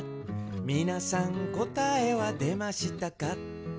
「みなさんこたえはでましたか？」